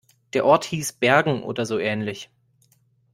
Der Ort hieß Bergen oder so ähnlich.